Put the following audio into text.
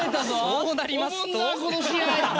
そうなりますと。